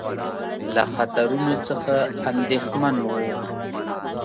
له خطرونو څخه اندېښمن وو.